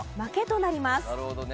なるほどね。